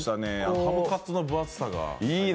ハムカツの分厚さが。